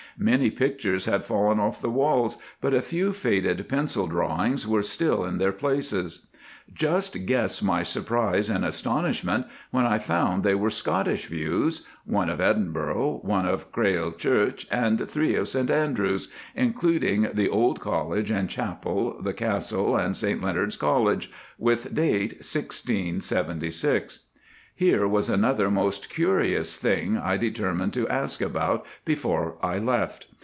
Many pictures had fallen off the walls, but a few faded pencil drawings were still in their places. Just guess my surprise and astonishment when I found they were Scottish views—one of Edinburgh, one of Crail Church, and three of St Andrews, including the old College and Chapel, the Castle, and St Leonards College, with date 1676. Here was another most curious thing I determined to ask about before I left.